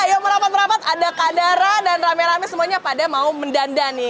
ayo merapat merapat ada kak dara dan rame rame semuanya pada mau mendanda nih ya